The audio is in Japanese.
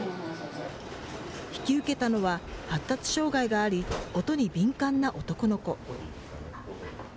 引き受けたのは、発達障害があり音に敏感な男の子。